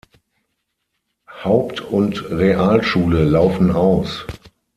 Haupt- und Realschule laufen aus.